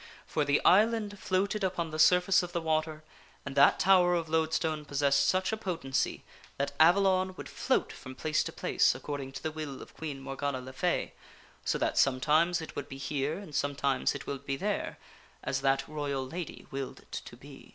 For the island floated upon the surface of the water, and that tower of loadstone possessed such a potency that Avalon would float from place to place according to the will of Queen Morgana le Fay, so that sometimes it would be here, and sometimes it would be there, as that royal lady willed it to be.